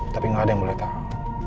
tapi nggak ada yang boleh tahu